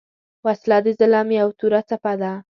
وسله د ظلم یو توره څپه ده